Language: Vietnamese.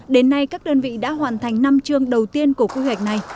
đến nay các đơn vị đã hoàn thành năm chương đầu tiên của quy hoạch này